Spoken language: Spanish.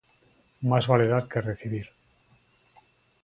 Mas vale dar que recibir.